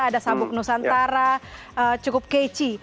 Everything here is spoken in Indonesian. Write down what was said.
ada sabuk nusantara cukup keci